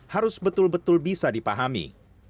harus betul betul bisa dipahami